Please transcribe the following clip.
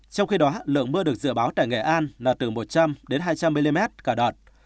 trong khi đó lượng mưa được dự báo tại nghệ an là từ một trăm linh đến hai trăm linh mm cả đợt